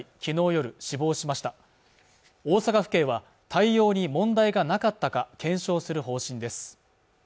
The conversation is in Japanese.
夜死亡しました大阪府警は対応に問題がなかったか検証する方針です